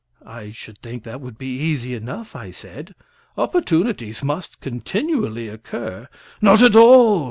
"I should think that would be easy enough," I said. "Opportunities must continually occur." "Not at all!